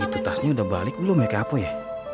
itu tasnya udah balik belum ya kaya apa ya